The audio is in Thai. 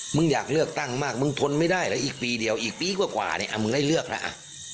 มึงอยากเลือกตั้งมากมึงทนไม่ได้แล้วอีกปีเดียวอีกปีกว่าเนี่ยมึงได้เลือกแล้วอ่ะ